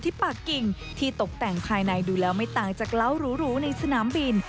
ปากกิ่งที่ตกแต่งภายในดูแล้วไม่ต่างจากเหล้าหรูในสนามบิน